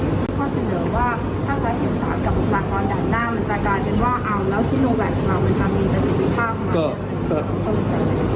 ถ้าคอยหินศาลอยู่บ้านมนตร์ก็จะเป็นว่า